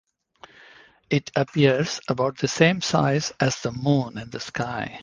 It appears about the same size as the Moon in the sky.